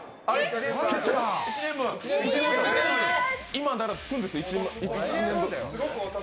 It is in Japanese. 今ならつくんですよ、１年分。